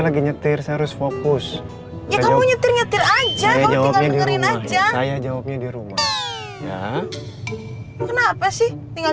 lagi nyetir serius fokus ya kamu nyetir nyetir aja ya jawabnya dirumah ya kenapa sih tinggal